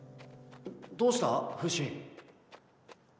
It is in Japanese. どうしたフシ。